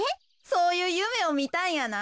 そういうゆめをみたんやな。